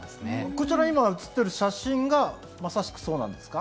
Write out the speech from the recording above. こちら今映ってる写真がまさしくそうなんですか？